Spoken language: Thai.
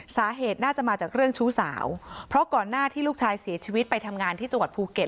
สาเหตุน่าจะมาจากเรื่องชู้สาวเพราะก่อนหน้าที่ลูกชายเสียชีวิตไปทำงานที่จังหวัดภูเก็ต